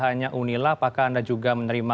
hanya unila apakah anda juga menerima